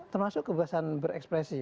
termasuk kebebasan berekspresi